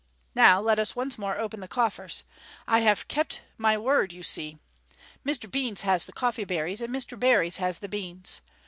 Now let us once more open the coffers. I have kept my MODERN MAGIC. 335 word, you see — Mr. Beans has the coffee berries, and Mr. Berries has the beans.